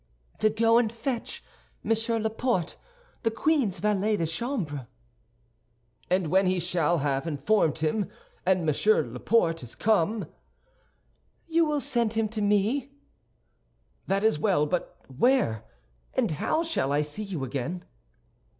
"To go and fetch Monsieur Laporte, the queen's valet de chambre." "And when he shall have informed him, and Monsieur Laporte is come?" "You will send him to me." "That is well; but where and how shall I see you again?"